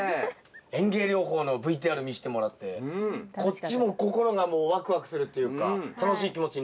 園芸療法のＶＴＲ見してもらってこっちも心がもうワクワクするっていうか楽しい気持ちになりました。